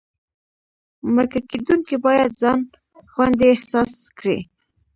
مرکه کېدونکی باید ځان خوندي احساس کړي.